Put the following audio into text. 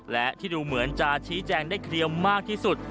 และที่ดูเหมือนจะชี้แจงได้เคลียร์มากที่สุด